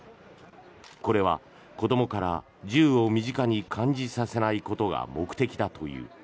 これは子どもから銃を身近に感じさせないことが目的だという。